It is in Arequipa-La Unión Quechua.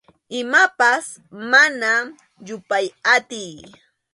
Imapas mana yupay atiy.